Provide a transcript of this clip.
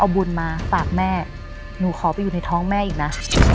เอาบุญมาฝากแม่หนูขอไปอยู่ในท้องแม่อีกนะ